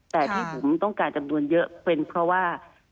แต่ที่ผมต้องการจำนวนเยอะเป็นเพราะว่า